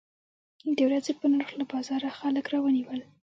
د ورځې په نرخ له بازاره خلک راونیول.